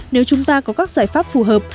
nếu chúng ta có các giải pháp phù hợp